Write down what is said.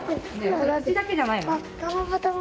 口だけじゃないの？